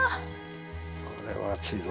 これは熱いぞ！